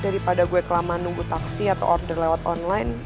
daripada gw kelamaan tunggu taksi atau order lewat online